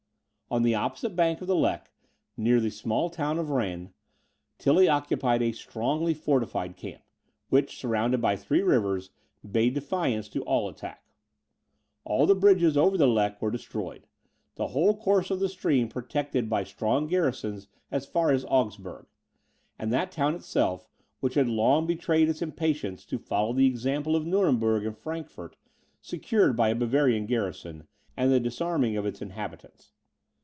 On the opposite bank of the Lech, near the small town of Rain, Tilly occupied a strongly fortified camp, which, surrounded by three rivers, bade defiance to all attack. All the bridges over the Lech were destroyed; the whole course of the stream protected by strong garrisons as far as Augsburg; and that town itself, which had long betrayed its impatience to follow the example of Nuremberg and Frankfort, secured by a Bavarian garrison, and the disarming of its inhabitants.